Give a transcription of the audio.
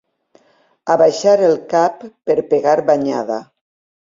Abaixar el cap per pegar banyada.